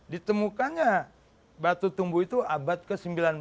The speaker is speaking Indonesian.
ditemukannya batu tumbuh itu abad ke sembilan belas